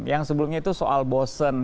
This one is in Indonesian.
yang sebelumnya itu soal bosen